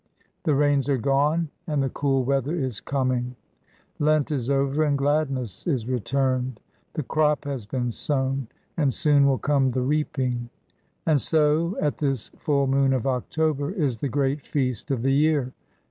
The rains are gone and the cool weather is coming; Lent is over and gladness is returned; the crop has been sown, and soon will come the reaping. And so at this full moon of October is the great feast of the year.